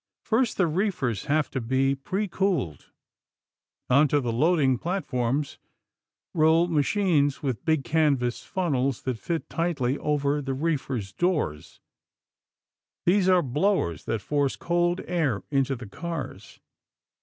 First, the reefers have to be pre cooled. Onto the loading platforms roll machines with big canvas funnels that fit tightly over the reefers' doors. These are blowers that force cold air into the cars.